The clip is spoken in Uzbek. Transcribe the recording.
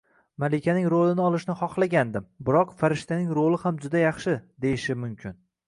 “Malikaning rolini olishni xohlagandim, biroq farishtaning roli ham juda yaxshi” deyishi mumkin.